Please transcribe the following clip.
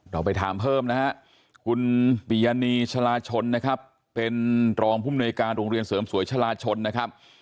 เราไปถามเพิ่มนะฮะคุณปิยานีชะลาชนนะครับเป็นรองภูมิหน่วยการโรงเรียนเสริมสวยชะลาชนนะครับ